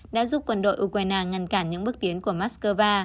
đã giúp quân đội ukraine ngăn cản những bước tiến của moscow